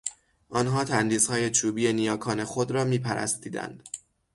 آنها تندیسهای چوبی نیاکان خود را میپرستیدند.